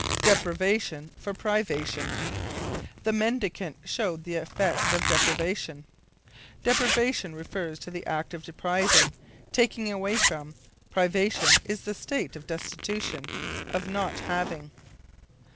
Deprivation for Privation. "The mendicant showed the effects of deprivation." Deprivation refers to the act of depriving, taking away from; privation is the state of destitution, of not having.